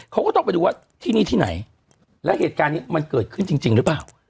เขาก็ต้องไปดูว่าที่นี่ที่ไหนแล้วเหตุการณ์นี้มันเกิดขึ้นจริงหรือเปล่า